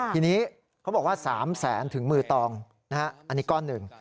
ทีนี้เขาบอกว่า๓แสนถึงมือตองอันนี้ก้อนหนึ่ง